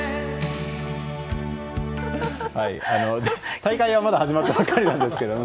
大会はまだ始まったばかりなんですが。